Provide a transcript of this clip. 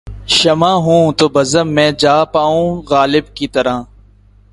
شمع ہوں‘ تو بزم میں جا پاؤں غالب کی طرح